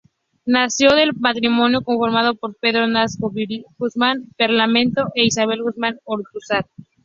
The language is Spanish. Nació del matrimonio conformado por Pedro Nolasco Vial Guzmán, parlamentario, e Isabel Guzmán Ortúzar.